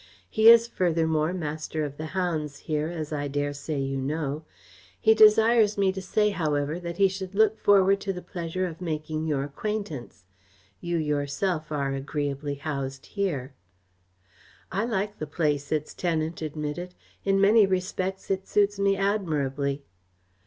He is, furthermore, Master of the Hounds here, as I dare say you know. He desired me to say, however, that he should look forward to the pleasure of making your acquaintance. You yourself are agreeably housed here." "I like the place," its tenant admitted. "In many respects it suits me admirably."